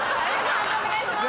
判定お願いします。